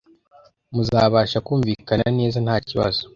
muzabasha kumvikana neza ntakibazo